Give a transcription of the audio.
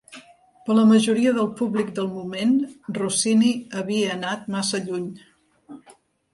Per a la majoria del públic del moment, Rossini havia anat massa lluny.